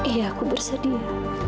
iya aku bersedia